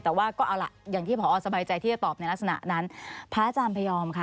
แต่ว่าก็เอาล่ะอย่างที่พอสบายใจที่จะตอบในลักษณะนั้นพระอาจารย์พยอมค่ะ